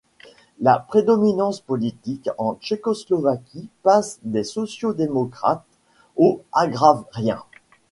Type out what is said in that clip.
La prédominance politique, en Tchécoslovaquie, passe des sociaux-démocrates aux agrariens.